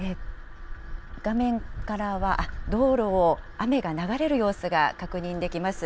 画面からは、道路を雨が流れる様子が確認できます。